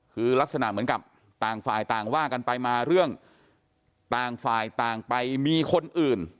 คือลักษณะเหมือนกับต่างฝ่ายต่างว่ากันไปมาเรื่องต่างฝ่ายต่างไปมีคนอื่น